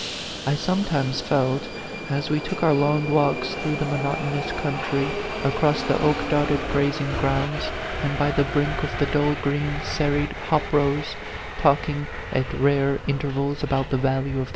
I sometimes felt, as we took our long walks through the monotonous country, across the oak dotted grazing grounds, and by the brink of the dull green, serried hop rows, talking at rare intervals about the value of A PHANTOM LOVER.